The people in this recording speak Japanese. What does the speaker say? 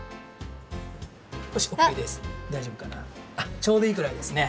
ちょうどいいくらいですね。